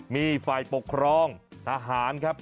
มีฝ่ายปกครองทหารครับ